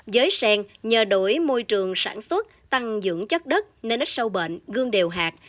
giới sen nhờ đổi môi trường sản xuất tăng dưỡng chất đất nên ít sâu bệnh gương đều hạt